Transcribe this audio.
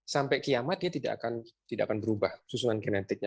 sampai kiamat dia tidak akan berubah susunan genetiknya